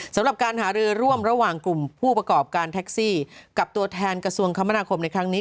สำหรับการหารือร่วมระหว่างกลุ่มผู้ประกอบการแท็กซี่กับตัวแทนกระทรวงคมนาคมในครั้งนี้